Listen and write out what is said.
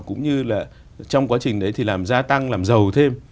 cũng như là trong quá trình đấy thì làm gia tăng làm giàu thêm